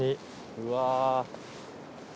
うわ。